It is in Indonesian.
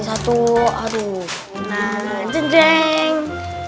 nah jeng jeng